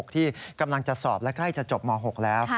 ที่กำลังจะสอบและใกล้จะจบม๖แล้ว